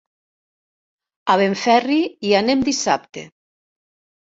A Benferri hi anem dissabte.